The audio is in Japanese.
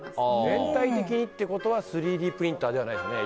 全体的にってことは３Ｄプリンターではないですよね